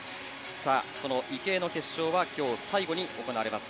その池江の決勝は今日最後に行われます。